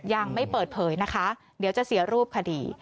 ยังไม่เปิดเผยนะคะเดี๋ยวจะเสียรูปคดี